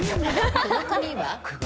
この国は？